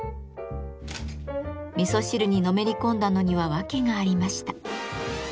味噌汁にのめり込んだのには訳がありました。